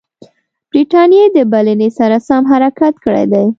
برټانیې د بلنې سره سم حرکت کړی دی.